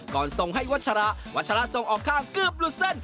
ส่งให้วัชระวัชระส่งออกข้างเกือบหลุดเส้น